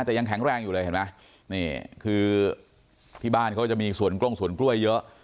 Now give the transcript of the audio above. แต่ยังแข็งแรงอยู่เลยเห็นไหมนี่คือที่บ้านเขาจะมีสวนกล้องสวนกล้วยเยอะ